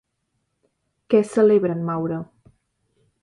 Què celebra en Maura?